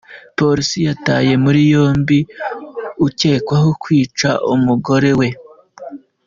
Polisi yataye muri yombi ukekwaho kwica umugore we